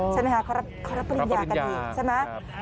ใช่ไหมครับเขารับกรรมกรินิยาก็เลยใช่ไหม